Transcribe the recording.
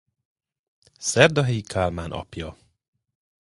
Szerdahelyi Kálmán apja.